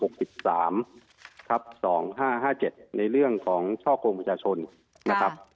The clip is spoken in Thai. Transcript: ในเรื่องของช่อกรมประชาชนนะครับ